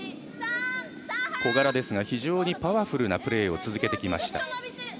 小柄ですが非常にパワフルなプレーを続けてきました。